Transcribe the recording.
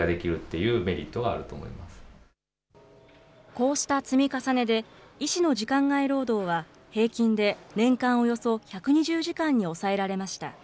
こうした積み重ねで、医師の時間外労働は平均で年間およそ１２０時間に抑えられました。